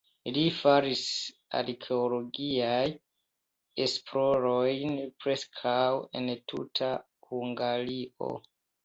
Li faris arkeologiajn esplorojn preskaŭ en tuta Hungario.